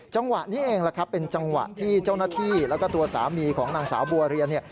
จังหวะนี้เองแหละครับเป็นจังหวะที่เจ้าหน้าที่แล้วก็ตัวสามีของนางสาวบัวเรียน